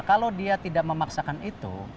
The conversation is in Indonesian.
kalau dia tidak memaksakan itu